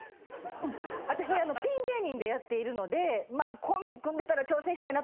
私ピン芸人でやっているのでコンビ組んでたら挑戦したいなと思うんですけど。